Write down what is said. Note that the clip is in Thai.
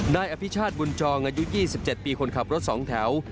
นายอภิชาติบุญจองอายุ๒๗ปีคนขับรถ๒แถว